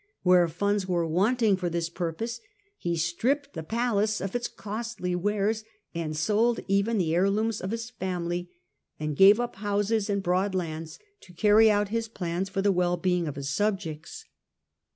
Where funds were wanting for this purpose, he stripped the palace of its costly wares, sold even the heirlooms of his family, and gave up houses and broad lands to carry out his plans for the well being of his subjects.